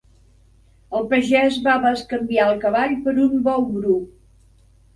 El pagès va bescanviar el cavall per un bou bru.